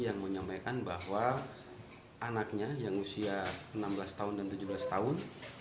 yang menyampaikan bahwa anaknya yang usia enam belas tahun dan tujuh belas tahun